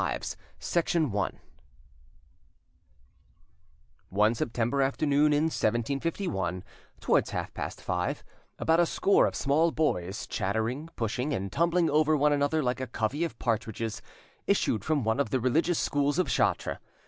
] *DERUES* One September afternoon in 1751, towards half past five, about a score of small boys, chattering, pushing, and tumbling over one another like a covey of partridges, issued from one of the religious schools of Chartres.